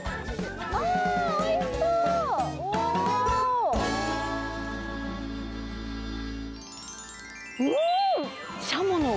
あー、おいしそう！